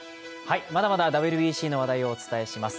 まだまだＷＢＣの話題をお伝えします。